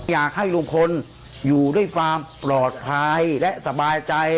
อยากให้ลุงพลอยู่ด้วยความปลอดภัยและสบายใจ